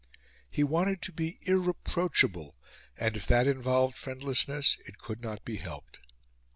He wanted to be irreproachable and, if that involved friendlessness, it could not be helped.